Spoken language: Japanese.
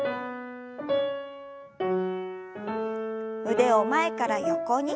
腕を前から横に。